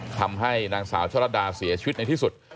ทำให้นางสาวชะลัดดาเสียชีวิตในที่สุด